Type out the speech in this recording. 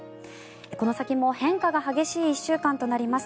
この先も変化が激しい１週間となります。